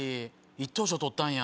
１等賞取ったんや！